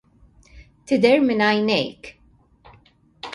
" Tidher minn għajnejk. "